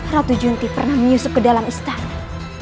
ratu junti pernah menyusup ke dalam istana